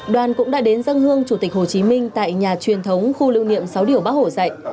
đoàn cũng đã đến dân hương chủ tịch hồ chí minh tại nhà truyền thống khu lưu niệm sáu điều bác hồ dạy